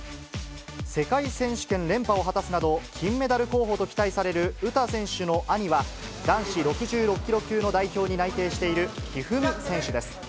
世界選手権連覇を果たすなど、金メダル候補と期待される詩選手の兄は、男子６６キロ級の代表に内定している一二三選手です。